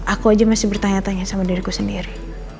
aku aja masih bertanya tanya sama diriku sendiri